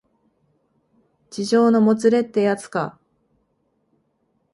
痴情のもつれってやつか